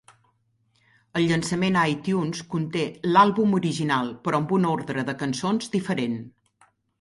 El llançament a iTunes conté l'àlbum original, però amb un ordre de cançons diferent.